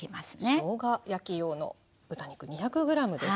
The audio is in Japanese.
しょうが焼き用の豚肉２００ｇです。